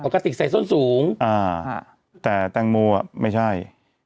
อ๋อกระติกใส่ส้นสูงอ่าแต่แตงมูอ่ะไม่ใช่